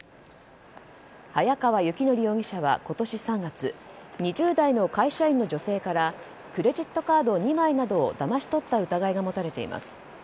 早川幸範容疑者は今年３月２０代の会社員の女性からクレジットカード２枚などをだまし取った疑いが持たれています。